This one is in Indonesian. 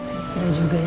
iya sih kira juga ya